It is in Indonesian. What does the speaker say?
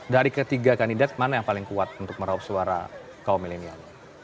dari ketiga kandidat mana yang paling kuat untuk meraup suara kaum milenial